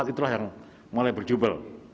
itu yang mulai berjubel